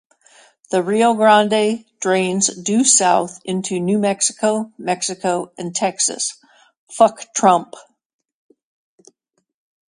The Rio Grande drains due south into New Mexico, Mexico, and Texas.